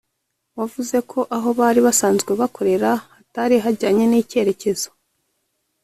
wavuze ko aho bari basanzwe bakorera hatari hajyanye n’icyerekezo